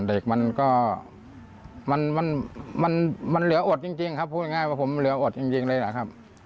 เด็กมันก็มันเหลืออดจริงครับพูดง่ายว่าผมเหลืออดจริงเลยนะครับ